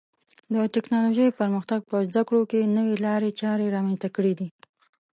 د ټکنالوژۍ پرمختګ په زده کړو کې نوې لارې چارې رامنځته کړې دي.